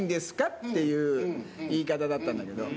っていう言い方だったんだけど。